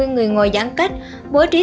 hai mươi người ngồi giãn cách bố trí